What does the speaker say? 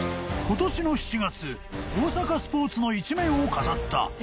［今年の７月大阪スポーツの一面を飾った］